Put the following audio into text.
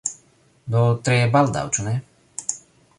Do, tre baldaŭ ĉu ne?